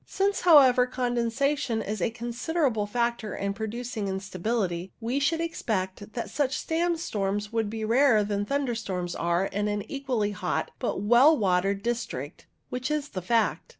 Since, however, condensation is a considerable factor in producing instability, we should expect that such sandstorms would be rarer than thunder storms are in an equally hot but well watered dis trict, which is the fact.